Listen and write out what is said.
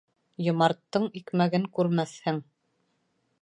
«Йомарттың» икмәген күрмәҫһең.